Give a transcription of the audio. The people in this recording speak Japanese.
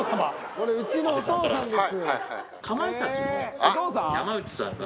「これうちのお父さんです」